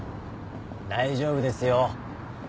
大丈夫ですよ。